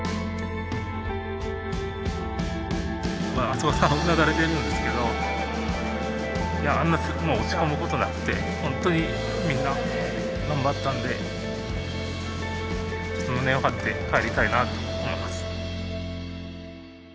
麻生川さんうなだれてるんですけどあんな落ち込むことなくてホントにみんな頑張ったんで胸を張って帰りたいなと思います。